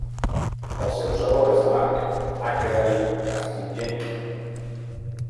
El seu sabor és amarg, acre i astringent.